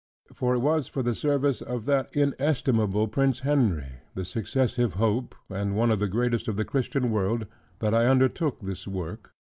" For it was for the service of that inestimable Prince Henry, the successive hope, and one of the greatest of the Christian world, that I undertook this work.